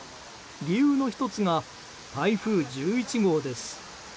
理由の１つが台風１１号です。